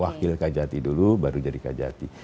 wakil kejati dulu baru jadi kejati